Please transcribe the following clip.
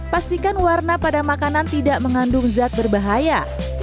pastikan warna pada makanan tidak mengandung zat berbahaya